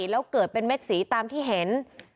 แล้วเกิดเป็นเม็ดสีตามที่เห็น